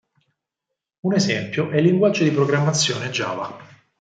Un esempio è il linguaggio di programmazione Java.